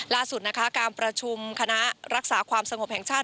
ล่าสุดนะคะการประชุมคณะรักษาความสงบแห่งชาติ